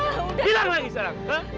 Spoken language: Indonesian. mas andre baik hanya bergurau